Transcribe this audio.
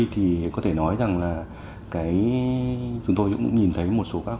thì có thể nói rằng là chúng tôi cũng nhìn thấy một số các hệ thống